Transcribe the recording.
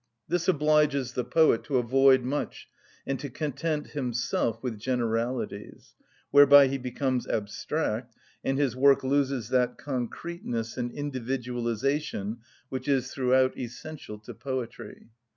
This obliges the poet to avoid much and to content himself with generalities, whereby he becomes abstract, and his work loses that concreteness and individualisation which is throughout essential to poetry.